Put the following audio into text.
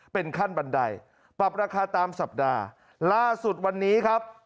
เป็นขั้นบันไดปรับราคาตามสัปดาห์ล่าสุดวันนี้ครับ